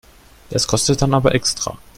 Das kostet dann aber extra.